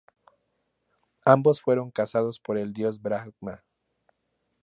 Ambos fueron casados por el dios Brahmá.